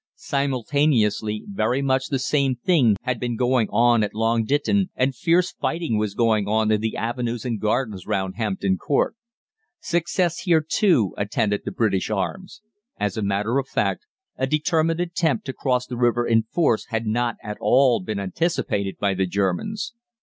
Simultaneously very much the same thing had been going on at Long Ditton, and fierce fighting was going on in the avenues and gardens round Hampton Court. Success here, too, attended the British arms. As a matter of fact, a determined attempt to cross the river in force had not at all been anticipated by the Germans.